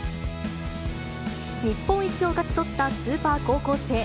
日本一を勝ち取ったスーパー高校生。